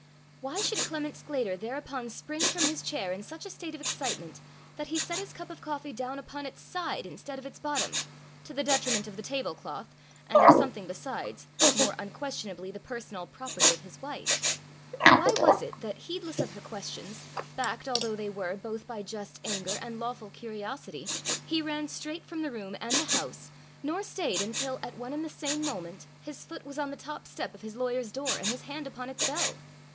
Why should Clement Sclater thereupon spring from his chair in such a state of excitement that he set his cup of coffee down upon its side instead of its bottom, to the detriment of the tablecloth, and of something besides, more unquestionably the personal property of his wife? Why was it that, heedless of her questions, backed although they were both by just anger and lawful curiosity, he ran straight from the room and the house, nor stayed until, at one and the same moment, his foot was on the top step of his lawyer's door, and his hand upon its bell?